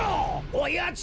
おやつ。